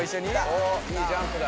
おっいいジャンプだ。